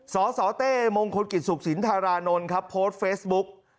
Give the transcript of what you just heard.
สสเต้มงคลกิจสุขสินธารานนท์ครับโพสต์เฟซบุ๊ก